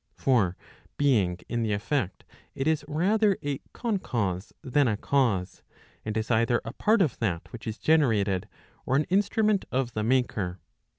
For being in the effect, it is rather a concause than a cause, and is either a part of that which is generated, or an instrument of the maker.